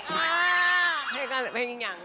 อ้าวเพลงยังยัง